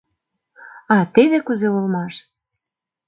— А, теве кузе улмаш…